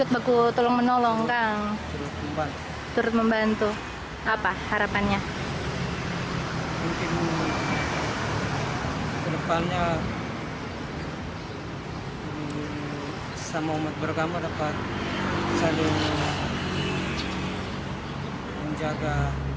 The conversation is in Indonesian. mungkin ke depannya sama umat bergama dapat saling menjaga